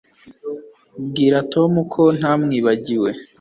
Bwira Tom ko ntamwibagiwe